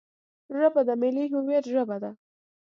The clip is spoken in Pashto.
ژبه د ملي هویت ژبه ده